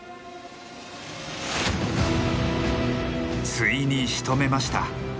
ついにしとめました。